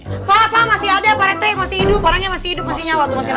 pak pak masih ada pak retek masih hidup warna masih hidup masihnya waktu masih nafas